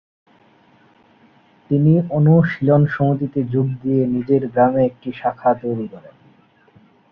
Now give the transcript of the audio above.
তিনি অনুশীলন সমিতিতে যোগ দিয়ে নিজের গ্রামে একটি শাখা তৈরি করেন।